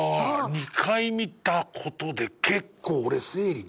２回見たことで結構俺整理できてんな。